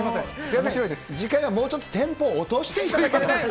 次回はもうちょっとテンポを落としていただければ。